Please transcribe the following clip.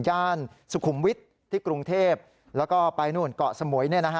ย่านสุขุมวิทย์ที่กรุงเทพแล้วก็ไปนู่นเกาะสมุย